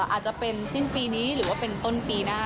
อาจจะเป็นสิ้นปีนี้หรือว่าเป็นต้นปีหน้า